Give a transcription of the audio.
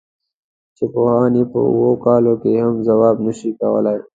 چې پوهان یې په اوو کالو کې هم ځواب نه شي کولای.